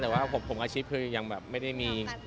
แต่ว่าผมอาชีพคือยังแบบไม่ได้มี